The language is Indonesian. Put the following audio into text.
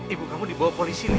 ibu kamu dibawa polisi nih